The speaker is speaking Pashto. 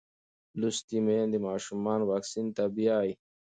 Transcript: لوستې میندې ماشومان واکسین ته بیايي.